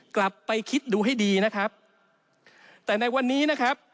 กลับไปคิดดูให้ดีนะครับแต่ในวันนี้นะครับ